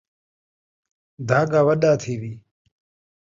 دھاڳا وݙا تھیوی